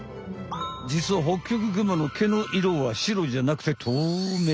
じつはホッキョクグマの毛の色は白じゃなくて透明。